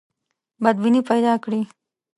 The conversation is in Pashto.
بدبیني پیدا کړي.